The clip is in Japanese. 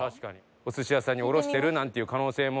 お寿司屋さんに卸してるなんていう可能性も。